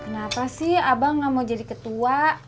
kenapa sih abang nggak mau jadi ketua